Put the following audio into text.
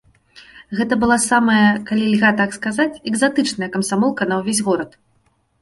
Гэта была самая, калі льга так сказаць, экзатычная камсамолка на ўвесь горад.